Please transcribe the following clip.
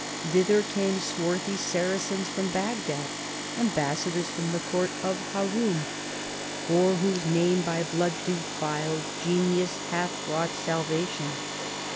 Thither came swarth}'^ Saracens from Bagdad, ambas sadors from the court — Of Haroun, for whose name by blood defiled, Genius hath wrought salvation.